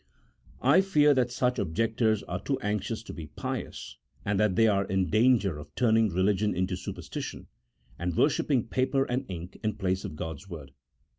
I fear that such objectors are too anxious to be pious, and that they are in danger of turning religion into superstition, and wor shipping paper and ink in place of God's Word.